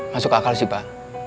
masuk akal sih pak